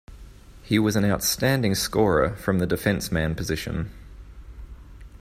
He was an outstanding scorer from the defenceman position.